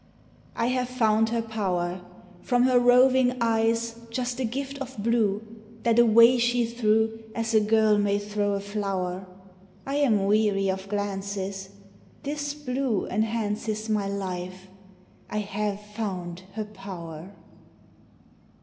I HAVE found her power I From her roving eyes Just a gift of blue, That away she threw As a girl may throw a flower. I am weary of glances ; This blue enhances My life : I have found her power.